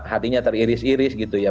hatinya teriris iris gitu ya